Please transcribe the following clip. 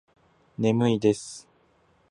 眠いです。